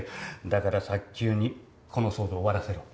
だから早急にこの騒動終わらせろ。